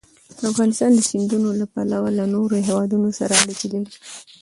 افغانستان د سیندونه له پلوه له نورو هېوادونو سره اړیکې لري.